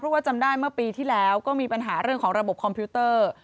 เพราะว่าจำได้เมื่อปีที่แล้วก็มีปัญหาเรื่องของระบบคอมพิวเตอร์